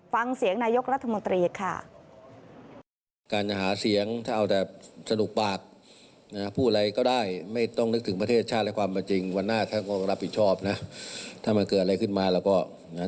ฟังเสียงนายกรัฐมนตรีค่ะ